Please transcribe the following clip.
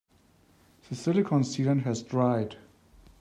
The silicon sealant has dried.